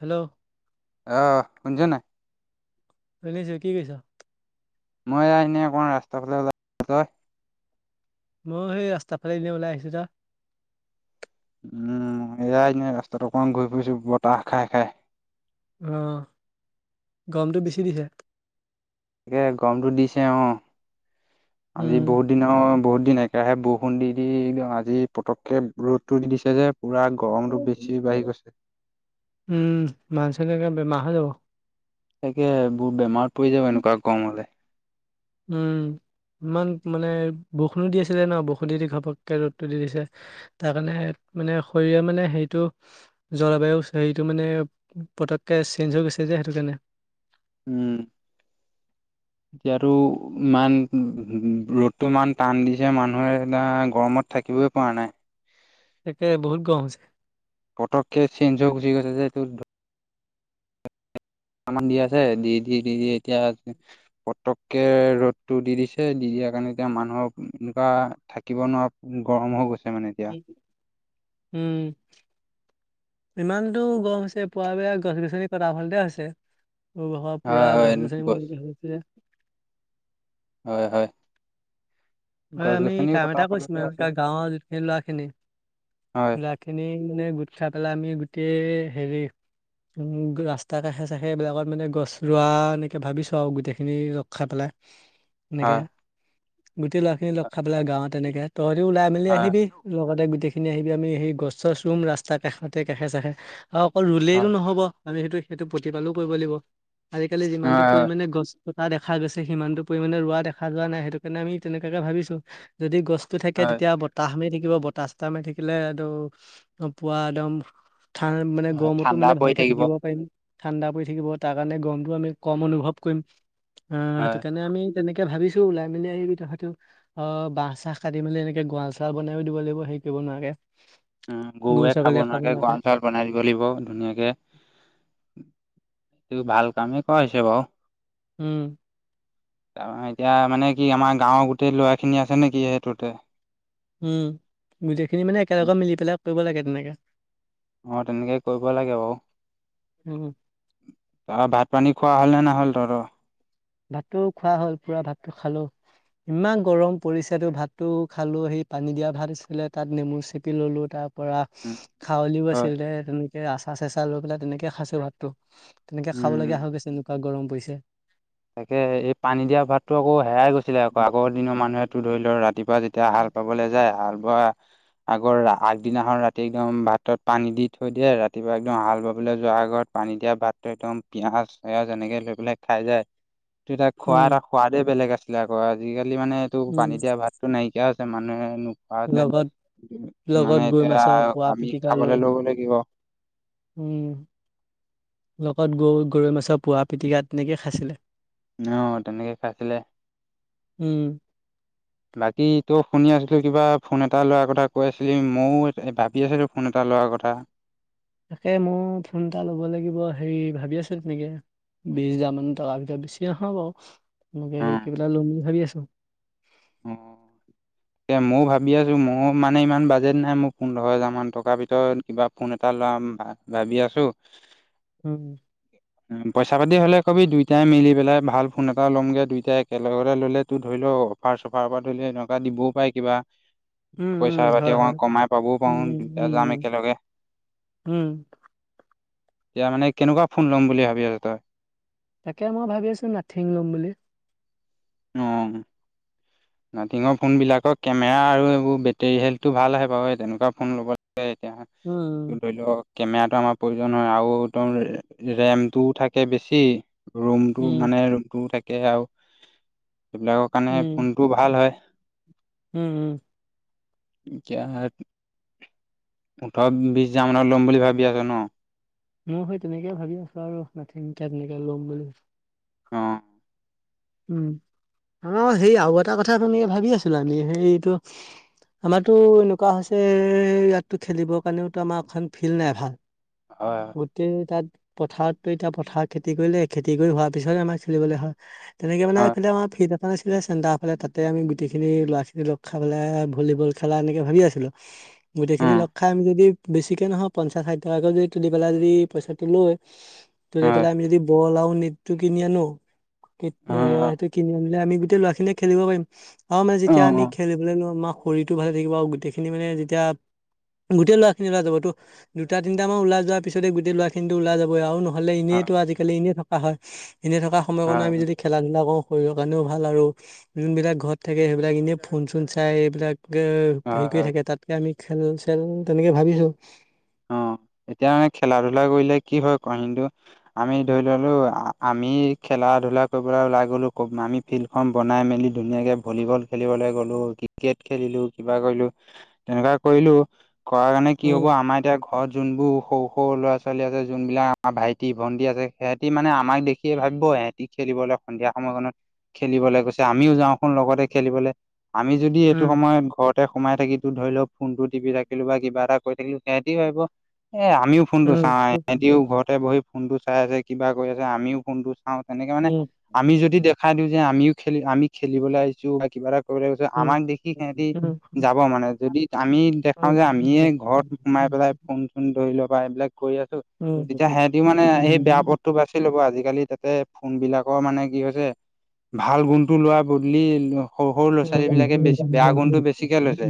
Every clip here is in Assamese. হেল্ল' অ', শুনিছ নাই? [inaudible] কি কৈছ? মই এনে অকমান ৰাস্তা ফালে ওলাই, [inaudible] তই? ময়ো সেই ৰাস্তাৰ ফালে এনে ওলাই আহিছোঁ, দা। উম, এয়াই এনেই ৰাস্তাটো অকমান ঘূৰি ফুৰিছোঁ, বতাহ খাই, খাই। অ', গৰমটো বেছি দিছে। তাকে, গৰমতো দিছে অ', আজি উম বহুত দিনৰ বহুত বহুতদিন একেৰাহে বৰষুণ দি, দি একদম আজি পতককে ৰ'দটো দি দিছি [unintelligible] উম, মানুহ চানুহ একে বেমাৰ হৈ যাব। তাকে, বোৰ বেমাৰত পৰি যাব এনেকুৱা গৰম হ'লে। উম। ইমান মানে বৰষুনো দি আছিলে ন' বৰষুন দি, দি ঘপককে ৰ'দটো দি দিছে, তাৰকাৰণে মানে শৰীৰে মানে হেৰিটো, জলবায়ু হেৰিটো, মানে পটককে চেঞ্জ হৈ গৈছে এই যে হেইটো কাৰণে। উম। [inaudible] এতিয়াতো ইমান ৰ'দটো ইমান টান দিছে, মানুহে এ গৰমত থাক থাকিব‌ই পাৰা নাই। তাকে, বহুত গৰম হৈছে। পটককে চেঞ্জ হৈ গুচি গৈছে যে তোৰ অকনমান দি আছে দি দি দি দি এতিয়া পটককে ৰ'দ টো দি দিছে দি দিয়া কাৰণে, এতিয়া মানুহৰ এনেকুৱা থাকিব নোৱাৰা গৰম হৈ গৈছে। মানে এতিয়া কি উম। ইমানতো গৰম হৈছে পুৱাবিলাক গছ গছনি কৰা ফলতে হৈছে। হুবহ পুৰা হয় গছ হয় গছনিবোৰৰ হয় হয় হয়, গছ আমি গছনিও কাম এটা কটাৰ কৰিছোঁ ফলতে মানে আছে গাঁৱৰ যিখিনি ল'ৰা খিনি হয় ল'ৰা খিনি মানে গোট খাই পেলাই আমি গোটেই হেৰি উম, ৰাস্তা কাষে চাষে এইবিলাকত মানে গছ ৰুৱা এনেকে ভাবিছোঁ আৰু গোটেই খিনি লগ খাই পেলাই। এনেকে হয় গোটেই ল'ৰা খিনি লগ খাই পেলাই গাঁৱত এনেকে তহঁতি ওলাই মেলি হয় আহিবি লগতে গোটেই গোটেইখিনি আহিবি আমি সেই গছ ৰুম ৰাস্তা কাষাতে কাষে চাষে আৰু অকল ৰুলেইটো হয় নহ'ব। আমি সেইটো সেইটো প্ৰতি পালো কৰিব লাগিব। আজিকালি যিমানটো হয় পৰিমাণে গছ কটা দেখা গৈছে। সিমানতটো পৰিমাণে ৰোৱা দেখা যোৱা নাই। সেইটো কাৰণে আমি তেনেকুৱাকে ভাবিছোঁ। যদি গছ থাকে হয় তেতিয়া বতাহ মাৰি থাকিব বতাহ চতাহ মাৰি থাকিলে, এইটো পুৱা একদম ঠান মানে হয় গৰমতো ঠাণ্ডা মানে পৰি ভালকে থাকিব পাৰিম। ঠাণ্ডা পৰি থাকিব, তাৰ কাৰণে গৰমটো আমি কম অনুভৱ কৰিম আহ হয় সেইটো কাৰণে আমি তেনেকে ভাবিছোঁ ওলাই মিলি কথাটো। অ' বাঁহ চাহ কাটি পেলায় এনেকে গৰাল চৰাল বনাইও দিব লাগিব। সেই কৰিব নোৱাকে। উম, গৰুৱে খাব নোৱাৰাকে গঁৰাল চআলোঁ বনাই দিব লাগিব ধুনীয়াকে [inaudible] সি ভাল কামোও কৰাইছে বাৰু। উম। তাৰ এতিয়া মানে কি আমাৰ গাঁৱৰ গোটেই ল'ৰা খিনি আছে নেকি সেইটোতে উম, গোটেইখিনি মানে একেলগে মিলি পেলাই কৰিব লাগে তেনেকে। অ' তেনেকে কৰিব লাগে বাৰু। উম অহ' ভাত পানী খোৱা হ'ল নে নহ'ল তহঁতৰ? ভাতটো খোৱা হ'ল পুৰা ভাতটো খালোঁ। ইমান গৰম পৰিছে তো ভাতটো খালোঁ হেই পানী দিয়া ভাত আছিলে তাত নেমু চেপি ললোঁ তাৰ তাৰপৰা খাৱলিও হয় আছিল দে তেনেকে আছাৰ ছাচা লৈ পেলাই তেনেকে খাইছোঁ ভাতটো। তেনেকে খাব উম লগীয়া হৈ গৈছে এনেকুৱা গৰম পৰিছে। তাকে, এই পানী দিয়া ভাতো আকৌ হেৰাই গৈছিলে আকৌ আগৰ দিনৰ মানুহেতো ধৰি লওঁ ৰাতিপুৱা যেতিয়া হাল বাবলৈ যায়। হাল বোৱা [inaudible] আগৰ আগদিনাখন ৰাতি একদম ভাতত পানী দি থৈ দিয়ে, ৰাতিপুৱা একদম হাল বাবলৈ যোৱাৰ আগত পানী এতিয়া ভাতটো একদম পিঁয়াজ সেয়া যেনেকে লৈ পেলাই খাই যায়। এইটো এটা খোৱা উম এটা সোৱাদে বেলেগ আছিলে আকৌ আজিকালি মানে এইটো উম পানী দিয়া ভাতটো নাইকিয়া মানুহে মোক ভাতে লগত মানে লগত গৈ এতিয়া মাছৰ পোৰা আমি পিটিকা লৈ খাবলৈ ল'ব লাগিব। উম, লগত গৰু গৰৈ মাছৰ পোৱা পিটিকা তেনেকে খাইছিলে। অ' তেনেকে খাইছিলে উম, বাকী তোক। শুনি আছিলোঁ কিবা ফোন এটা লোৱাৰ কথা কৈ আছিলি ময়ো ভাবি আছিলোঁ। ফোন এটা লোৱাৰ কথা। তাকে, মই ফোন এটা ল'ব লাগিব, হেৰি ভাবি আছোঁ তেনেকে? বিচ হাজাৰ মান টকা ভিতৰত বেছি নহয় বাৰু অ [unintelligible] বুলি ভাবি আছোঁ। অ'। এ ময়ো ভাবি আছোঁ, মোৰ মানে ইমান বাজেট নাই মোৰ পোন্ধৰ হেজাৰমান টকাৰ ভিতৰত কিবা ফোন এটা ল'ম। ভা-ভাবি আছোঁ। হম। পইচা পাতি হ'লে ক'বি দুইটাই মিলি পেলাই ভাল ফোন এটা ল'মগে দুইটাই একেলগতে ল'লেতো ধৰি ল অফাৰ চফাৰৰ পৰা ধৰি ল' সেনেকুৱা দিবয়ো পাৰে কিবা উম, পইচা উম, পাতি হয়, অকণ হয়, কমাই পাবও উম, পাৰো উম, দুটা উম, যাম উম, একেলগে উম এতিয়া মানে কেনেকুৱা ফোন লম বুলি ভাবি আছ তই তাকে মই ভাবি আছো নাথিং লম বুলি অ নাটিঙৰ ফোন বিলাকৰ কেমেৰা আৰু এইবোৰ বেটেৰী হেল্থটো ভাল আহে বাৰু এই তেনেকুৱা ফোন ল'ব সেই একেহে উম, ধৰি ল কেমেৰাটো আমাৰ প্ৰয়োজন হয় আৰু একদম ৰেমটোও থাকে বেছি ৰুমটো উম, মানে ৰুমটোও থাকে আৰু সেইবিলাকৰ কাৰণে ফোন উম, ভাল হয় উম উম কেহাত ওঠৰ বিশ হাজাৰ মানত ল'ম বুলি ভাবি আছ ন মই হে তেনেকে ভাবি আছো আৰু নাথিনকে তেনেকে ল'ম বুলি অ উম আমাৰ সেই আৰু এটা কথা তেনেকে ভাবি আছিলো আমি সেই এইটো আমাৰো এনেকুৱা হৈছে ইয়াতো খেলিবৰ কাৰণেওতো আমাৰ এখন ফিল্ড নাই ভাল হয় গোটেই তাত পথাৰততো এতিয়া পথাৰত খেতি কৰিলে খেতি কৰি হোৱাৰ পিছত আমাৰ খেলিবলৈ হয় তেনেকে মানে হয় ইফালে আমাৰ ফিল পানিছিলে চেন্টাৰফালে তাতে আমি গোটেইখিনি ল'ৰাখিনি লগ খাই পেলাই ভলীবল খেলা এনেকে ভাবি আছিলোঁ গোটেইখিনি হয় লগ খাই আমি যদি বেছিকে নহয় পঞ্চাশ ষাঠি টকাকে যদি দি পেলাই যদি পইচাটো লৈ ত গৈ হয় পেলাই আমি যদি বল আৰু নেটটো কিনি আনো [unintelligible] কেত নে হয় হয় সেইটো কিনি আনিলে আমি গোটেই ল'ৰাখিনিয়ে খেলিব পাৰিম আৰু মানে যেতিয়া আমি হয় খেলিবলৈ ল আমাক শৰীৰটো ভালে থাকিব আৰু গোটেইখিনি মানে যেতিয়া গোটেই ল'ৰা খিনি ওলাই যাব তো দুটা তিনিটা মান ওলাই যাব যোৱাৰ পিছতে গোটেই ল'ৰা খিনিটো ওলাই যাবই আৰু নহ'লে এনেইতো আজিকালি এনেই থকা হয় এনে থকা সময় কণ আমি হয় যদি খেলা ধূলা কৰোওঁ শৰীৰৰ কাৰণেও ভাল আৰু যোনবিলাক ঘৰত থাকে সেইবিলাক এনেই ফোন চোন চাই এইবিলাক হেৰি হয় কৰি হয় থাকে তাতকে আমি খেল চেল তেনেকে ভাবিছো অ এতিয়া মানে খেলা ধুলা কৰিলে কি হয় কণটো আমি ধৰি ললো আমি খেলা খেলা ধুলা কৰিবলে ওলাই গলো আমি ফিল্ডখন বনাই মেলি ধুনীয়াকে ভলীবল খেলিবলৈ গলো ক্ৰিকেট খেলিলো কিবা কৰিলো তেনেকুৱা কৰিলো কৰাৰ কাৰণে কি হব উম আমাৰ এতিয়া ঘৰত যোনবোৰ সৰু সৰু ল'ৰা ছোৱালী আছে যোনবিলাক আমাৰ ভাইটি ভন্টি আছে সিহঁতি মানে আমাক দেখি সিহতি ভাবিব ইহঁতি খেলিবলে সন্ধিয়া সময়কণত খেলিবলে গৈছে আমিও যাওঁচোন লগতে খেলিবলে আমি যদি এইটো উম সময়ত ঘৰতে সোমাই থাকি ধৰি লওক ফোন টো টিপি থাকিলো বা কিবা এটা কৰি থাকিলো সিহঁতি ভাবিব এ আমিও ফোনটো উম চাওঁ এহঁতিও ঘৰতে বহি ফোনটো চাই আছে কিবা কৰি আছে আমিও ফোনটো চাওঁ তেনেকে মানে উম আমি যদি দে খাই দিওঁ যে আমিও খেলি আমি খেলিবলে আহিছো বা কিবা এটা গৈছো উম উম আমাক দেখি সেহঁতি যাব মানে যদি আমি দেখাও উম যে আমিয়ে ঘৰত সোমাই পেলাই ফোন চোন ধৰি লবা এইবিলাক কৰি আছো উম তেতিয়া সিহঁতিও মানে সেই বেয়া পথটো বাচি লব আজিকালি তাতে ফোন বিলাকৰ মানে কি হৈছে ভাল গুণটো লোৱা বদলি সৰু সৰু ল'ৰা উম ছোৱালী বিলাকে বেছ বেয়া গুণটো বেছিকে লৈছে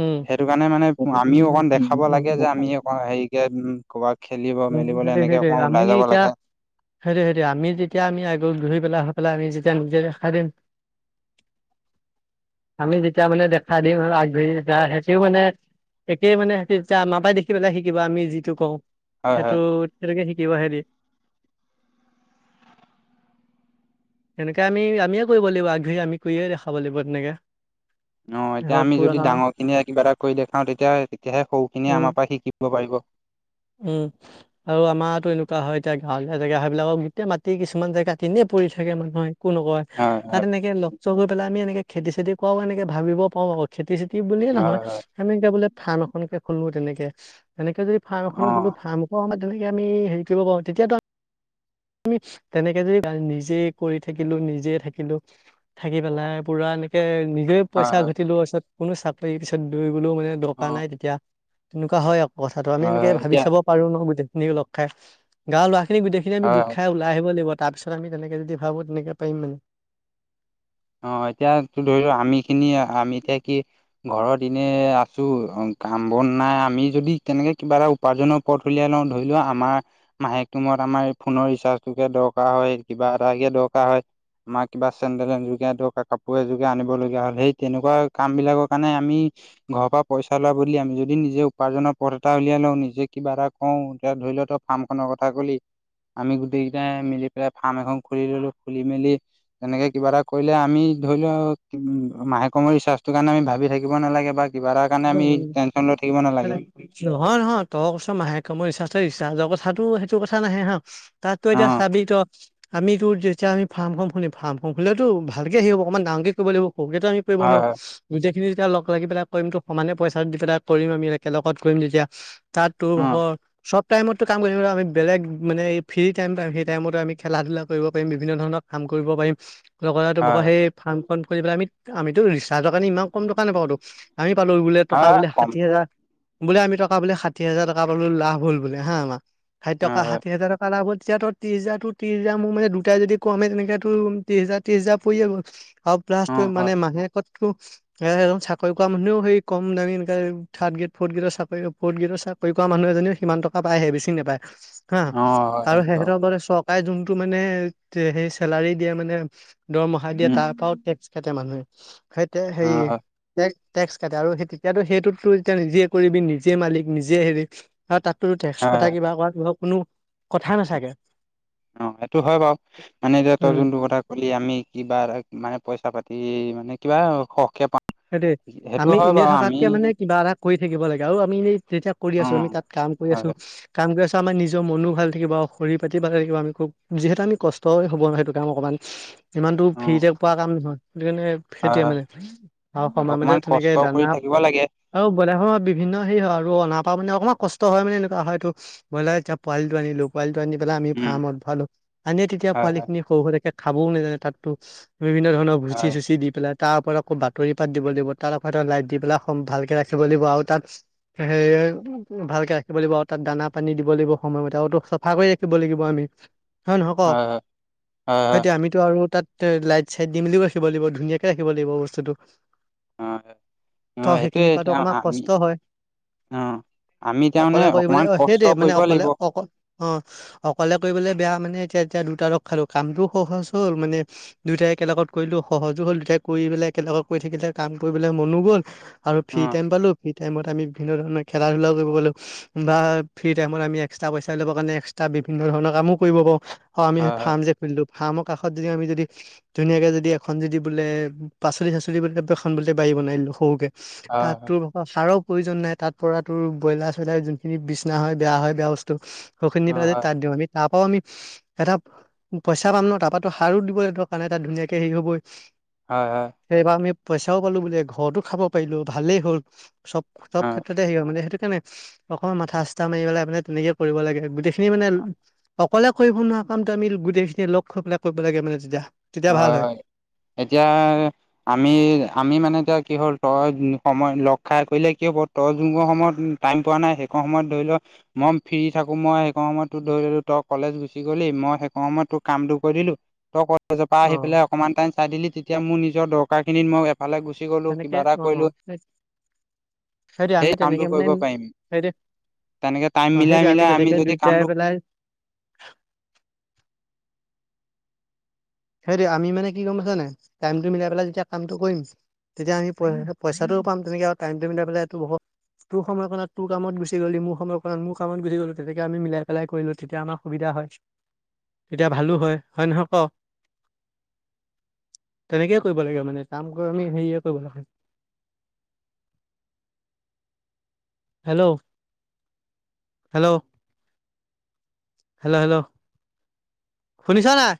উম সেইটো কাৰণে মানে আমিও অকণ দেখাব লাগে যে আমি অ হেৰিকে উ কব উম সেইটোৱে সেইটোৱে আমি এতিয়া লাগে সেইটোৱে সেইটোৱে আমি যেতিয়া আমি আগত ঘূৰি পেলাই পেলাই আমি যেতিয়া নিজে দেখাই দিম আমি যেতিয়া মানে দেখাই দিম আৰু আগবাঢ়ি সেহতিও মানে একেই মানে সেতি তেতিয়া আমাৰা পাই দেখি পেলাই শিকিব আমি যিটো কওঁ হয় সেইটো হয় তেনেকে শিক কিয় হেৰি সেনেকে আমি আমিয়ে কৰিব লাগিব আগ ধৰি আমি কৰিয়ে দেখাব লাগিব তেনেকে। অ' এতিয়া সিহঁত আমি পুৰা যদি ডাঙৰ খিনিয়ে কিবা এটা কৰি দেখাও তেতিয়া তেতিয়াহে সৰুখিনিয়ে উম আমাৰ পৰা শিকিব পাৰিব। উম, আৰু আমাৰো টো এনেকুৱা হয় এতিয়া গাঁৱলীয়া জেগা সেইবিলাকক গোটেই মাটি কিছুমান জেগা কিনে পৰি থাকে। [unintelligible] একো নকয় তাত হয় এনেকে লগ চগ হয় পেলাই আমি এনেকে খেতি চতি কৰাও এনেকে ভাবিব পাৰো আকৌ খেতি চেতি বুলিয়ে হয় নহয় হয় আমি এতিয়া বোলে ফাৰ্ম এখনকে খলো তেনেকে তেনেকে যদি ফাৰ্ম অ এখনো খুলো ফাৰ্ম খন তেনেকে আমি হেৰি কৰিব পাৰো তেতিয়াতো আমি তেনেকে যদি নিজে কৰি থাকিলো নিজে থাকিলো থাকি পেলাই পুৰা এনেকে নিজে হয় পইচা হয় ঘটিলো পিছত কোনো চাকৰি পিছত দৰিবলে মানে দৰকাৰ অ', নাই তেতিয়া। তেনেকুৱা হয় আকৌ কথাটো আমি এনেকে অ', ভাবি এতিয়া চাব পাৰো ন গোটেইখিনিক লগ খাই, গাও ল'ৰা সনে গোটেইখিনি আমি হয় ঘুত হয় ওলাই আহিব লাগিব তাৰ পিছত আমি তেনেকে যদি ভাবো তেনেকে পাৰিম মানে। অ' এতিয়াটো ধৰি লোৱা আমি খিনি আমি এতিয়া কি ঘৰত এনে আছো কাম বন নাই আমি যদি কেনেকে কিবা এটা উপাৰ্জনৰ পথ উলিয়াই লওঁ ধৰি লোৱা আমাৰ মাহেকৰ মূৰত আমাৰ এই ফোনৰ ৰিচাৰ্জ টোকে দৰকাৰ হয় কিবা এটে দৰকাৰ হয় আমাৰ কিবা চেন্ডেল এজোৰ কিনা দৰকাৰ কাপোৰ এযোৰ কে আনিব লগীয়া হ'য় সেই তেনেকুৱা কাম বিলাকৰ কাৰণে আমি ঘৰৰ পৰা পইচা লোৱা বদলি আমি যদি নিজে উপাৰ্জনৰ পথ এটা উলিয়াই লওঁ নিজে কিবা এটা কওঁ এতিয়া ধৰি লও তই ফাৰ্ম খনৰ কথা কলি আমি গোটেই কেইটাই মিলি পেলাই ফাৰ্ম এখন খুলি ললো খুলি মেলি তেনেকে কিবা এটা কৰিলে আমি ধৰি লোৱা মাহে কৰ মূৰত ৰিচাৰ্জ টো কাৰণে আমি ভাবি থাকিব নালাগে বা কিবা এটাৰ কাৰণে উ, উ আমি টেনচন লৈ থাকিব নালাগে নহয় নহয় তই কইছ মাহেক মই ৰিচাৰ্জৰ কথাতো সেইটো কথা নাহে হ তাততো অ এতিয়া চাবি তই আমিতো যেতিয়া আমি ফাৰ্ম খন খুলিম ফাৰ্ম খন খুলিলেতো ভালকে হেৰি হব অকণমান ডাঙৰ কে কৰিব লাগিব। [unintelligible] টো আমি কৰিব হয় নোৱাৰো হয় গোটেইখিনি যেতিয়া লগ লাগি পেলাই কৰিম তো সমানে পইচা দি পেলাই কৰিম আমি একেলগত কৰিম তেতিয়া তাত তোৰ অ হক চব টাইমতটো কাম কৰিবলৈ আমি বেলেগ মানে এই ফ্ৰী টাইম পাম সেই টাইমতে আমি খেলা ধূলা কৰিবাৰি বিভিন্ন ধৰণৰ কাম কৰিব পাৰিম। লগতে হয় [unintelligible] সেই ফাৰ্মখন খুলি পেলাই আমি আমিতো ৰিচাৰ্জৰ কাৰণে ইমান কম তকা নাপাও টো লৈ বোলে হয় টকা হয় বোলে কম ষাঠি হাজাৰ বোলে আমি টকা বোলে ষাঠি হাজাৰ টকা পালো লাভ হল বোলে হা আমাৰ সেই হয় টকা হয় ষাঠি হাজৰ লাভ হ'ল তেতিয়া ত্ৰিশ হাজাৰটো ত্ৰিশ হাজাৰ মোৰ মানে দুটাই যদি কমে তেনেক তো ত্ৰিছ হাজাৰ ত্ৰিছ হাজাৰ পৰিয়ে গল। অ' প্লাছ তুমি মানে [unintelligible] এ চাকৰি কৰা মানুহেও সেই কম দামী এনেকে থাৰ্ড গ্ৰেত ফ'ৰ্থ গ্ৰেদৰ চাকৰি ফৰ্থ গেডৰ চাকৰি কৰা মানুহ এজনীও সিমান টকা পায়হে বেছি টকা নাপায়। হা অ হয় আৰু হয় বাৰু সেহতৰ দৰে চক তাই যোনটো মানে সেই চেলাৰি দিয়ে মানে দৰমহা দিয়ে উম তাৰ পৰাও টেক্স খেতে মানুহে সেই অ হয় হয় হেৰি ট্যাক্স আৰু সেই তেতিয়াতো সেইটোতো তেতিয়া নিজে কৰিবি নিজে মালিক নিজে হেৰি তাততো ট্যাক্স কতা হয় কিবা কৰা কিবা কোনো কথা নাথাকে। অ' সেইটো হয় বাৰু মানে এতিয়া তই উম যোনটো কথা কলি আমি কিবা এ মানে পইচা পাতি মানে কিবা সৰহকে পায় সেইতোয়ে আমি এনে থকাতকে মানে কিবা এটা কৰি থাকিব লাগে আৰু আমি এনে যেতিয়া কৰি অ আছো আমি তাত হয় কা কাম কৰি আছো, হয় কাম কৰি আছো আমাৰ নিজৰ মনো ভাল থাকিব সৰিৰ পাতি ভাল থাকিব আমি খুব যিহেতু আমি কষ্টই হ'ব সেইটো টাইম অকণমান। ইমানতো অ ফ্ৰীতে পোৱা কাম নহয় সেইটো কাৰণে হয় সেইটোৱে হয় মানে। আৰু সময় মতে অকমান তেনেকে কষ্ট দানা কৰি থাকিব লাগে। আৰু বজাৰ সমত বিভিন্ন সে হয় আৰু অনাৰ পা মানে অকমান কষ্ট হয় মানে এনেকুৱা হয়টো বইলাৰ এতিয়া পোৱালিটো আনিলো পোৱালি আনি পেলাই আমি উম, ফাৰ্মত ভৰালো, আনি তেতিয়া পোৱালি খিনি সৰু হয় থাকে খাবও নেজানে তাততো বিভিন্ন ধৰণৰ ভুচি হয়, চুচি দি পেলাই তাৰ ওপৰত এক তৰি পাত দিব লাগিব তাত আক এটা লাইট দি পেলাই ভালকে ৰাখিব লাগিব আৰু তাত সে ভালকে ৰাখিব লাগিব আৰু তাত দানা পানী দিব লাগিব সময়মতে আৰু তো চাফা কৰি ৰাখিব লাগিব আমি। হয় নহয় ক, হয়, সেইতি আমিতো আৰু তাত। তে লাইট চাইট দি মেলিও ৰাখিব লাগিব ধুনীয়াকে ৰাখিব লাগিব বস্তুটো। হয়, হয়, ত অ', সেইটোয়ে সেইখিনি কৰাটো এতিয়া অকমাৰ আমি কষ্ট হয়। অ। আমি তাৰমানে অকলে কৰিবলে, অকমান অ কষ্ট সেইটেই মানে কৰিব অকলে, লাগিব। অ- অ অকলে কৰিবলে বেয়া মানে এতিয়া। এতিয়া দুটা ৰ খালো, কামতো সহজ হ'ল মানে দুয়টাই একেলগত কৰিলো সহজো হ'ল দুয়টাই কৰি পেলাই একেলগত। কৰি থাকিলে কাম কৰিবলে মনো গ'ল আৰু ফ্ৰী টাইম পালো। টাইমত আমি ভিনধণৰ খেলা ধূলা কৰিব গো বা ফ্ৰী টাইমত আমি একস্ত্ৰা পইচা ল'ব কাৰণে একস্ত্ৰা। বিভিন্ন ধৰণৰ কামো কৰিব পাৰো আমি ফ যে হয়, ফ্ৰাম যে খুলিলো। ফাৰ্মৰ কাষত যদি আমি যদি ধুনীয়াকে যদি এখন যদি বোলে পাচলি। [unintelligible] বাৰী বনাই দো সৰুকে হয়, তাত তোৰাৰ প্ৰয়োজন নাই তাত পৰা তোৰ ব্ৰইলাৰ চয়লাৰ যোনখিনি বিচছনা হয় বেয়া হয় বেয়া বস্তু। সখখিনি নি পেলায় হয়, আমি হয়, তাত দিওঁ আমি তাপ। আমি এটা পইচা পাম ন তাৰপাতো সাৰো দিবলৈ দৰকাৰ নাই তাত ধুনীয়াকে হেৰি হ'বই। হয়, হয়। সেইবাৰ আমি পইচাও পালো বুলে ঘৰতো খাব পাৰিলো ভালেই হ'ল হয়, চব-চব হয়, ক্ষেত্ৰতে হে মানে সেইটো। নে অকমান মাথা চাঠা মাৰি পেলাই মানে তেনেকে কৰিব লাগে গোটেইখিনি মানে অকলে কৰিব নোৱাৰে। কামটো আমি গোটেইখিনি লগ হৈ পেলাই কৰিব লাগে মানে তেতিয়া। তেতিয়া ভাল হয়, হয়, এতিয়া। আমি আমি মানে এতিয়া কি হ'ল তই সময় লগ খাই কৰিলে কি হ'ব তই যুগৰ সময়ত। টাইম পোৱা নাই সেইখন সময়ত ধৰি ল মই ফ্ৰী থাকো মই সেই সময়তো ধৰি ললো তই কলেজ গুচি গ'লি মই সেই সম সময়ই তোৰ কামটো কৰি দিলো তই জোপা অ আহি পালাই অকনমান টাইম চাই দিলি তেতিয়া মোৰ নিজৰ দৰকাৰ খিনিত মই ফালে গুচি গলো তেনেকে কিবা এটা অ কৰিলো। সেইটোৱে সেই আমি কামটো তেনেকে মানে কৰিব পাৰিম। সেইটোৱে তেনেকে টাইম অ' মিলাই সেইটোৱে মিলাই আমি তেনেকে যদি দুইটাই কামটো পেলাই [unintelligible] হেৰি আমি মানে কি গম পাইছানে নাই টাইমটো মিলাই পেলাই যেতিয়া কামটো কৰিম। তেতিয়া আমি পইচাটোও পাম তেনেকে আৰু টাইমটো মিলাই পেলাই এইটো বহুত তোৰ সময়কণত তোৰ কামত গুচি গলি মোৰ মোৰ সময়কণ মোৰ কামত গুচি গলো তেনেকে আমি মিলাই পেলাই কৰিলো তেতিয়া আমাৰ সুবিধা তেতিয়া ভালো হয় - হয় নহয় ক? তেনেকেই কৰিব লাগে মানে কাম গ আমি হেৰিয়ে কৰিব লাগে। হেল্ল', - হেল্ল', হেল্ল', - হেল্ল', শুনিছ নাই।